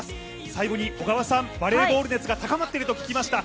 最後に小川さん、バレーボール熱が高まっていると聞きました。